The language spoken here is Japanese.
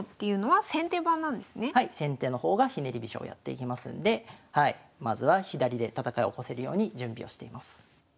はい先手の方がひねり飛車をやっていきますんでまずは左で戦い起こせるように準備をしています。